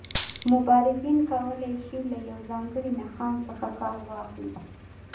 مبارزین کولای شي له یو ځانګړي نښان څخه کار واخلي.